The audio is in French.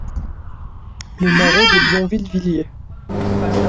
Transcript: Le marais de Blonville-Villers.